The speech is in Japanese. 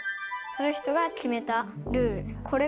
その人が決めたルール。